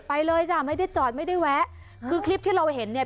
ไปเลยจ้ะไม่ได้จอดไม่ได้แวะคือคลิปที่เราเห็นเนี่ย